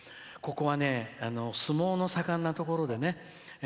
ここはね、相撲の盛んなところで。